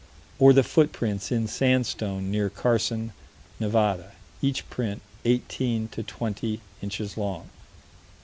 Or the footprints, in sandstone, near Carson, Nevada each print 18 to 20 inches long.